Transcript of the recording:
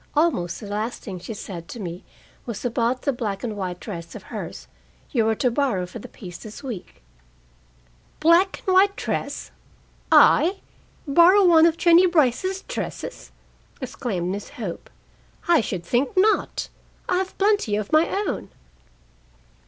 "Almost the last thing she said to me was about the black and white dress of hers you were to borrow for the piece this week." "Black and white dress! I borrow one of Jennie Brice's dresses!" exclaimed Miss Hope. "I should think not. I have plenty of my own."